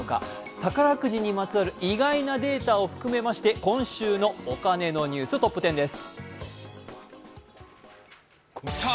宝くじにまつわる意外なデータを含めまして今週のお金のニューストップ１０です。